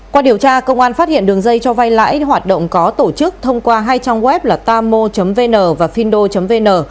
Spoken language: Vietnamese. qua điều tra công an phát hiện đường dây cho vay lãi hoạt động có tổ chức thông qua hai trang web là tamo vn và findo vn